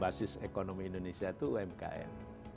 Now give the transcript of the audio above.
basis ekonomi indonesia itu umkm